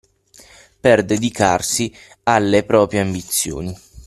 Per dedicarsi alle proprie ambizioni.